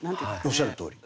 おっしゃるとおり。